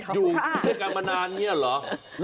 อยู่กันมานานนี่เหรอ